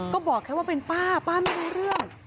ก็บอกแค่ว่าเป็นป้าป้าไม่รู้เรื่อง